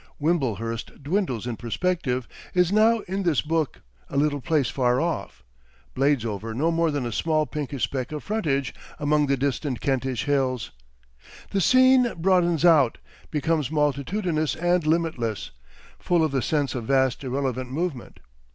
Wimblehurst dwindles in perspective, is now in this book a little place far off, Bladesover no more than a small pinkish speck of frontage among the distant Kentish hills; the scene broadens out, becomes multitudinous and limitless, full of the sense of vast irrelevant movement.